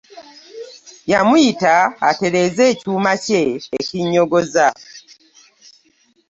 Yamuyita atereeze ekyuma kye ekinyogozza .